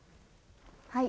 はい。